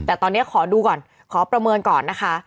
แต่ตอนนี้ขอดูก่อนขอประเมินก่อนนะคะ